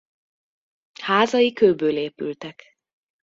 Házai kőből épültek.